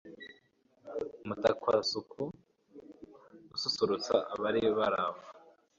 mutakwasuku ususurutsa abari baraho